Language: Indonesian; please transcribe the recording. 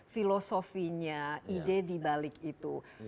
filosofi nya ide di balik itu